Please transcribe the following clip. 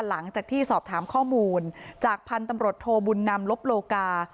หลังจากที่สอบถามข้อมูลจากพันธุ์ตำรวจโทบุญนำลบโลกา